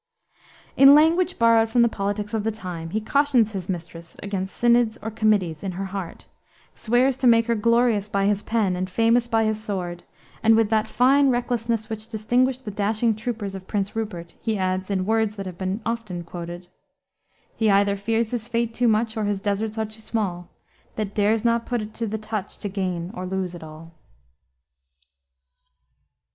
In language borrowed from the politics of the time, he cautions his mistress against synods or committees in her heart; swears to make her glorious by his pen and famous by his sword; and with that fine recklessness which distinguished the dashing troopers of Prince Rupert, he adds, in words that have been often quoted, "He either fears his fate too much, Or his deserts are small, That dares not put it to the touch To gain or lose it all."